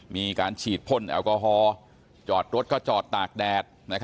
มีการฉีดพ่นแอลกอฮอล์จอดรถก็จอดตากแดด